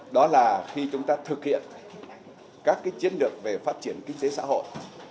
đó là khi chúng ta thực hiện các chiến lược về phát triển kinh tế xã hội